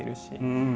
うん。